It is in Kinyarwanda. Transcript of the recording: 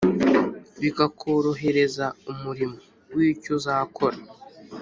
bikakorohereza umurimo. wicyo uzakora